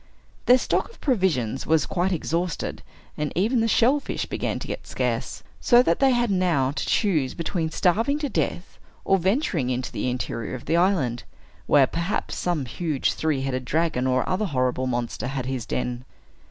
Their stock of provisions was quite exhausted, and even the shellfish began to get scarce, so that they had now to choose between starving to death or venturing into the interior of the island, where perhaps some huge three headed dragon, or other horrible monster, had his den.